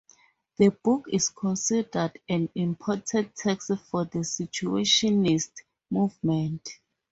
The book is considered an important text for the Situationist movement.